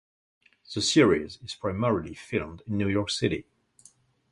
The series is primarily filmed in New York City.